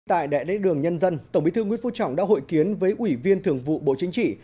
tại đại lễ đường nhân dân tổng bí thư nguyễn phú trọng đã hội kiến với ủy viên thường vụ bộ chính trị